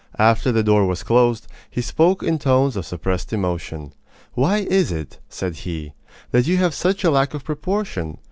After the door was closed, he spoke in tones of suppressed emotion. "Why is it," said he, "that you have such a lack of proportion?